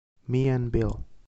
Me an' Bill